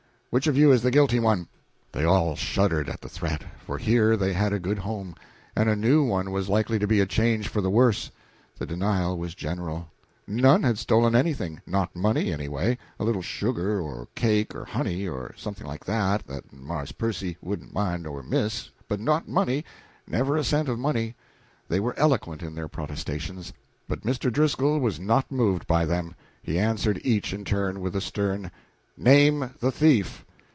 Which of you is the guilty one?" They all shuddered at the threat, for here they had a good home, and a new one was likely to be a change for the worse. The denial was general. None had stolen anything not money, anyway a little sugar, or cake, or honey, or something like that, that "Marse Percy wouldn't mind or miss," but not money never a cent of money. They were eloquent in their protestations, but Mr. Driscoll was not moved by them. He answered each in turn with a stern "Name the thief!"